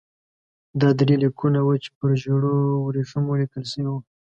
دا درې لیکونه وو چې پر ژړو ورېښمو لیکل شوي وو.